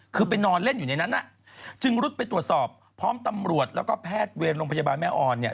คือไปนอนเล่นอยู่ในนั้นจึงรุดไปตรวจสอบพร้อมตำรวจแล้วก็แพทย์เวรโรงพยาบาลแม่ออนเนี่ย